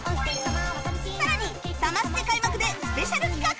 さらにサマステ開幕でスペシャル企画も